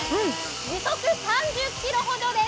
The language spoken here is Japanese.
時速３０キロほどです。